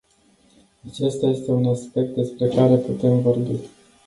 Acesta este un aspect despre care putem vorbi.